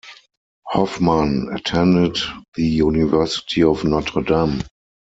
Hoffmann attended the University of Notre Dame.